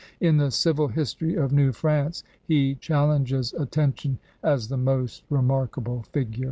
In the civil history of New France he challenges attention as the most remarkable figure.